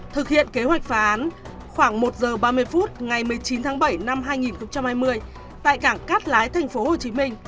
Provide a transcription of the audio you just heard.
thực hiện kế hoạch phá án khoảng một giờ ba mươi phút ngày một mươi chín tháng bảy năm hai nghìn hai mươi tại cảng cát lái tp hcm